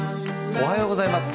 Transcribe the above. おはようございます。